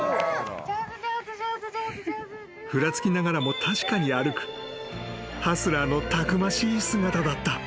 ［ふらつきながらも確かに歩くハスラーのたくましい姿だった］